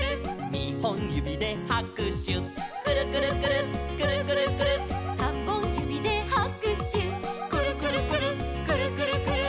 「にほんゆびではくしゅ」「くるくるくるっくるくるくるっ」「さんぼんゆびではくしゅ」「くるくるくるっくるくるくるっ」